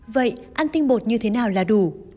vậy ăn tinh bột như thế nào là đủ